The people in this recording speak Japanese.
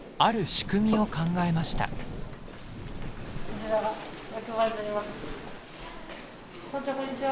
村長こんにちは。